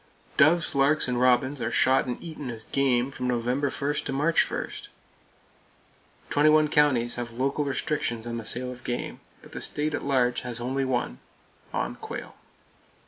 Doves, larks and robins are shot and eaten as "game" from November 1 to March 1! Twenty one counties have local restrictions on the sale of game, but the state at large has only one,—on quail.